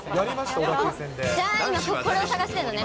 じゃあ今、これを探してるんだね。